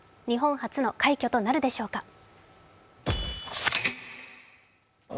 日本初の快挙となるでしょうか。